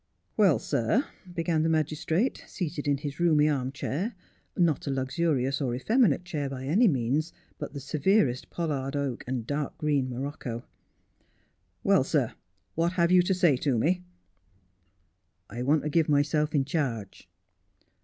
' Well, sir,' began the magistrate, seated in his roomy arm chair — not a luxurious or effeminate chair, by any means, but the severest pollard oak and dark green morocco. ' Well, sir, what have you to say to me 1 '' I want to give myself in charge.'